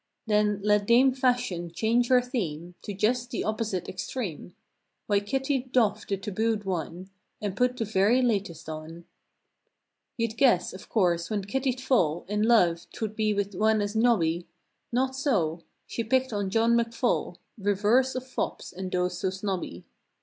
Then, let Dame Fashion change her theme To just the opposite extreme— Why Kitty'd doff the tabooed one And put the "very latest" on. 152 You'd guess, of course when Kitty'd fall In love 'twould be with one as nobby— Not so. She picked on John McFall Reverse of fops and those so snobby.